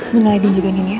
denal aiden juga nih ya